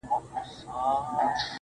ستا د مخ له اب سره ياري کوي.